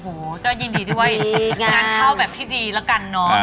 โอ้โหก็ยินดีด้วยงานเข้าแบบที่ดีแล้วกันเนอะ